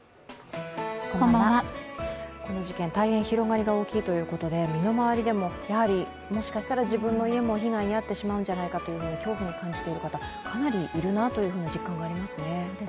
この事件、大変広がりが大きいということで身の回りでももしかしたら自分の家も被害に遭ってしまうんじゃないかと恐怖を感じている方、かなりいるなという実感がありますね。